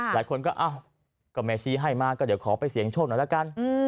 หลายคนก็อ้าวก็แม่ชีให้มาก็เดี๋ยวขอไปเสี่ยงโชคหน่อยละกัน